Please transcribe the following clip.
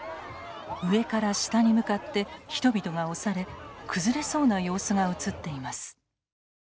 上から下に向かって人々が押され崩れそうな様子が映っています。